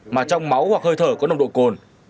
mà trong máu hoặc hơi thở có nồng độ cồn